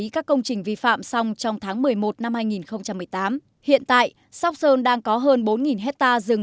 các công trình vi phạm xong trong tháng một mươi một năm hai nghìn một mươi tám hiện tại sóc sơn đang có hơn bốn hectare rừng